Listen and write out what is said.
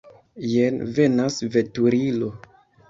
Jen venas veturilo.